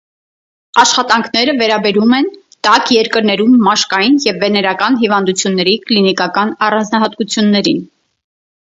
Աշխատանքները վերաբերում են տաք երկրներում մաշկային և վեներական հիվանդությունների կլինիկական առանձնահատկություններին։